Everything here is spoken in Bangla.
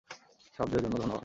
সাহায্যের জন্য ধন্যবাদ।